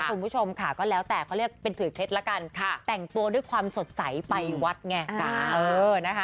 คุณผู้ชมค่ะก็แล้วแต่เขาเรียกเป็นถือเคล็ดละกันแต่งตัวด้วยความสดใสไปวัดไง